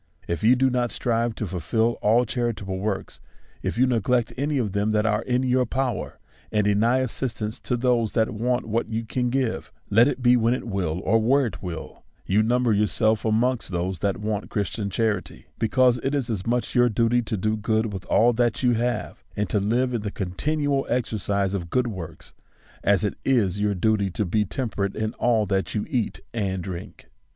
If you do not strive to fulfil all charitable works, if you neg lect any of them that are in your power, and deny as sistance to those that want what you can give, let it be when it will or where it will, you number yourself amongst those that want Christian charity ; because it is as much your duty to do good with all that you have, and to live in the continual exercise of good works, as it is your duty to be temperate in all that you eat and drink.